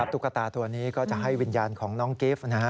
ตุ๊กตาตัวนี้ก็จะให้วิญญาณของน้องกิฟต์